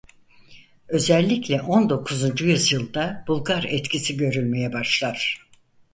Özellikle on dokuzuncu yüzyılda Bulgar etkisi görülmeye başlar.